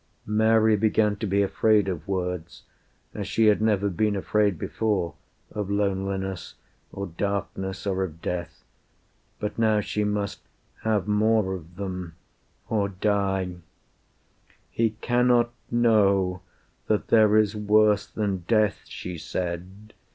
Mary began to be afraid of words As she had never been afraid before Of loneliness or darkness, or of death, But now she must have more of them or die: "He cannot know that there is worse than death," She said.